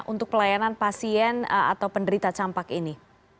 untuk pelayanan pasien atau penderita campak ini